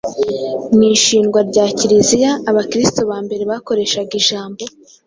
Mu ishingwa rya Kiliziya, abakristu ba mbere bakoreshaga ijambo